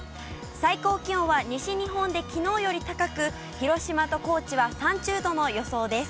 最高気温は西日本できのうより高く、広島と高知は３０度の予想です。